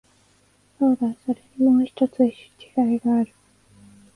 そうだ、それにもう一つ違いがある。